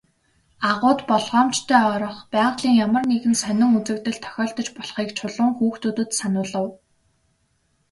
Агуйд болгоомжтой орох, байгалийн ямар нэгэн сонин үзэгдэл тохиолдож болохыг Чулуун хүүхдүүдэд сануулав.